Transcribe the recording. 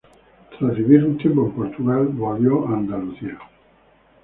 Tras vivir un tiempo en Portugal, volvió a Andalucía.